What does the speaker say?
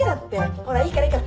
ほらいいからいいから。